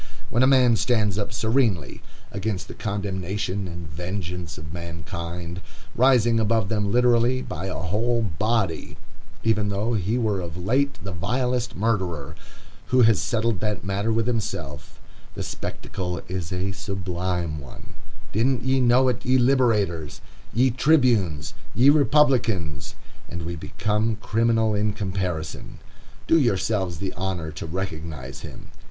When a man stands up serenely against the condemnation and vengeance of mankind, rising above them literally by a whole body,—even though he were of late the vilest murderer, who has settled that matter with himself,—the spectacle is a sublime one,—didn't ye know it, ye Liberators, ye Tribunes, ye Republicans?—and we become criminal in comparison. Do yourselves the honor to recognize him.